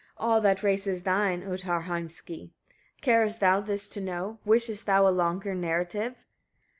All that race is thine, Ottar Heimski! Carest thou this to know? Wishest thou a longer narrative?